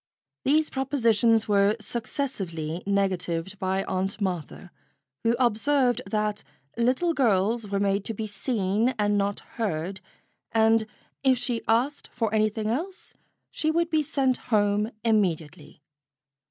These propositions were successively negatived by Aunt Martha, who observed that little girls were made to be seen and not heard, and if she asked for anything else, she would be sent home immediately.